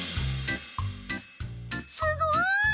すごい！